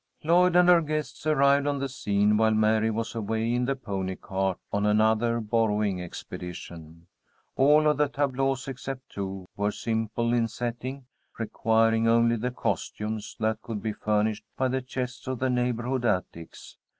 Lloyd and her guests arrived on the scene while Mary was away in the pony cart on another borrowing expedition. All of the tableaux, except two, were simple in setting, requiring only the costumes that could be furnished by the chests of the neighborhood attics.